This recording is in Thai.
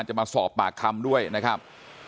จะมาสอบปากคำด้วยนะครับ